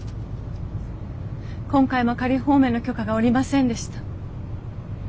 今回も仮放免の許可が下りませんでした。